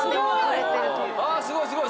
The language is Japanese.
あっすごいすごい。